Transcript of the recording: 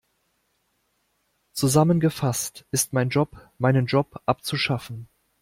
Zusammengefasst ist mein Job, meinen Job abzuschaffen.